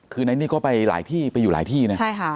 คือในนี่ก็ไปหลายที่ไปอยู่หลายที่นะใช่ค่ะ